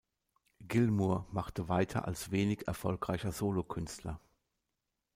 Gilmour machte weiter als wenig erfolgreicher Solokünstler.